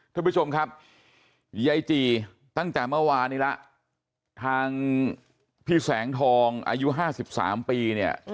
ท่านผู้ชมครับยายจีตั้งแต่เมื่อวานนี้แล้วทางพี่แสงทองอายุ๕๓ปีเนี่ย